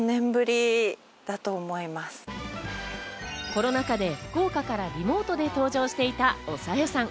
コロナ禍で福岡からリモートで登場していた、おさよさん。